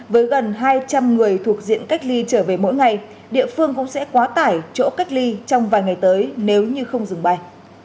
với gần hai trăm linh người thuộc diện cách ly trở về mỗi ngày địa phương cũng sẽ quá tải chỗ cách ly trong vài ngày tới nếu như không dừng bay